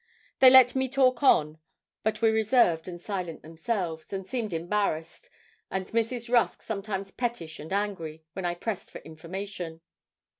They let me talk on, but were reserved and silent themselves, and seemed embarrassed, and Mrs. Rusk sometimes pettish and angry, when I pressed for information.